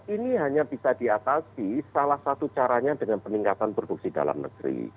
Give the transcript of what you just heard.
ini hanya bisa diatasi salah satu caranya dengan peningkatan produksi dalam negeri